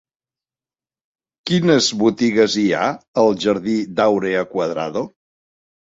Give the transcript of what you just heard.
Quines botigues hi ha al jardí d'Áurea Cuadrado?